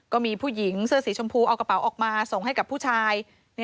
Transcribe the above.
ก็มีผู้หญิงเสื้อสีชมพูเอากระเป๋าออกมาส่งให้กับผู้ชาย